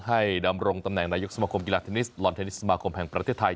ดำรงตำแหน่งนายกสมคมกีฬาเทนนิสลอนเทนนิสสมาคมแห่งประเทศไทย